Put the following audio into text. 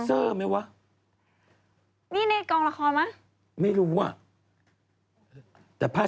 เออยังไม่ถ่ายเลยละครแบบนี้อืมไฟแรงฟร่า